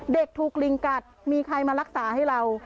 เด็กถูกลิงกัดมีใครมารักษาให้เรา